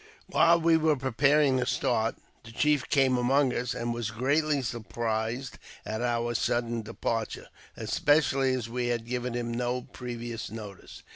While we were preparing to start, the chief came among us, and was greatly surprised at our sudden departure, especially as we had given him no previous notice.